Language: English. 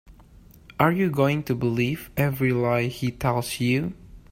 Are you going to believe every lie he tells you?